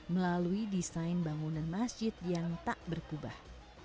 melalui desain bangunan masjid yang tak berkubah